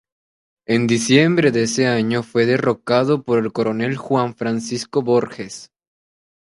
En diciembre de ese año fue derrocado por el coronel Juan Francisco Borges.